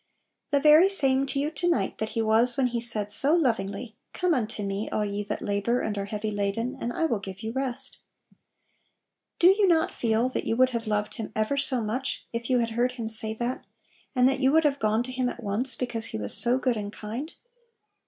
The very same to you to night that He was when He said so lovingly, 48 Little Pillows. " Come unto Me, all ye that labor and are heavy laden, and I will give you rest" Do you not feel that you would have loved him ever so much if you had heard Him say that, and that you would have gone to Him at once, be cause He was so good and kind?